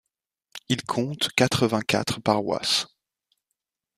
Il compte quatre-vingt-quatre paroisses.